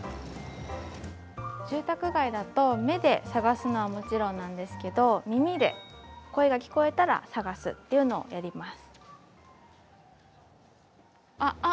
住宅街だと、目で探すのはもちろんなんですけど耳で声が聞こえたら探すというのをやります。